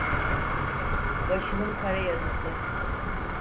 Başımın kara yazısı…